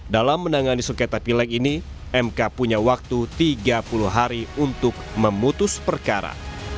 dalam menangani sengketa pilek ini mk punya waktu tiga puluh hari untuk memutus perkara